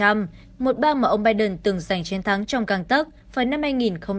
một bang mà ông biden từng giành chiến thắng trong cang tắc vào năm hai nghìn hai mươi